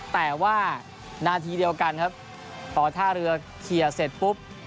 แต่ว่านาทีเดียวกันครับพอท่าเรือเคลียร์เสร็จปุ๊บ